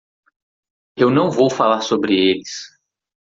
Eu não vou falar sobre eles.